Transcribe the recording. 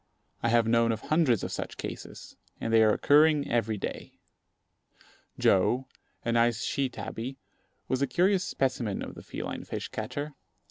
I have known of hundreds of such cases; and they are occurring every day. Joe, a nice she tabby, was a curious specimen of the feline fish catcher.